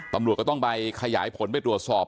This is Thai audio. ตำรวจก็ต้องไปขยายผลไปตรวจสอบ